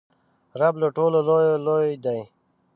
رب له ټولو لویو لوی دئ.